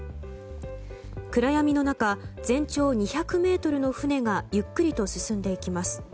暗闇の中、全長２００ｍの船がゆっくりと進んでいきます。